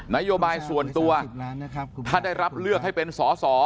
นโยบายส่วนตัวถ้าได้รับเลือกให้เป็นสอสอ